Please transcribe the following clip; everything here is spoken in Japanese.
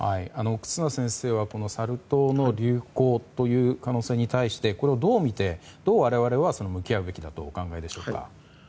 忽那先生はサル痘の流行という可能性に対してこれをどうみて、どう我々は向き合うべきだとお考えでしょうか。